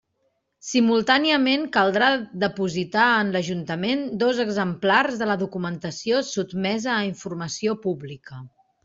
Simultàniament caldrà depositar en l'Ajuntament dos exemplars de la documentació sotmesa a informació pública.